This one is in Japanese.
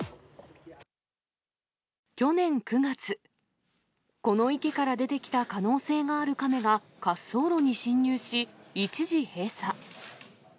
去年９月、この池から出てきた可能性があるカメが、滑走路に侵入し、一時閉鎖。